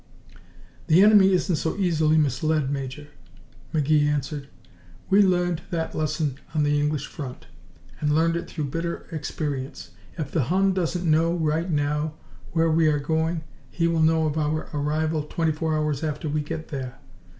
"The enemy isn't so easily misled, Major," McGee answered. "We learned that lesson on the English front, and learned it through bitter experience. If the Hun doesn't know right now where we are going, he will know of our arrival twenty four hours after we get there.